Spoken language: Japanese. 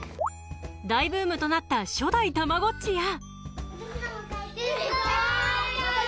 大ブームとなった初代たまごっちやかわいい！